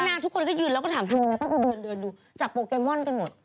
คุณน่าทุกคนก็ยืนแล้วก็ถามทุกคนเดินดูจากโปรแกรมอนต์กันหมด